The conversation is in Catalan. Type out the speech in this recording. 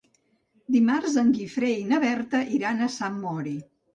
Dimarts en Guifré i na Berta iran a Sant Mori.